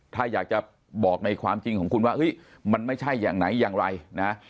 ถ้าอยากจะบอกในความจริงของคุณว่าเฮ้ยมันไม่ใช่อย่างไหนอย่างไรนะ